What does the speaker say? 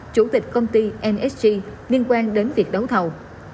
chủ tịch công ty nsg liên quan đến việc đấu thầu